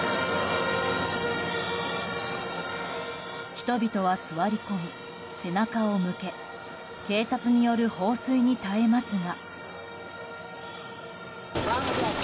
人々は座り込み、背中を向け警察による放水に耐えますが。